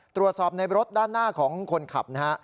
ตรวจสอบในรถด้านหน้าของคนขับนะฮะ